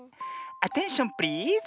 アテンションプリーズ！